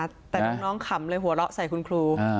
แต่ลูกน้องขำเลยหัวเราะใส่คุณครู